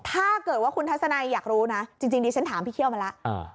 ถ้าเกิดว่าคุณทัศนัยอยากรู้นะจริงดิฉันถามพี่เคี่ยวมาแล้ว